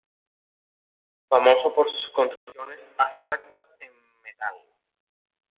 Famoso por sus construcciones abstractas en metal.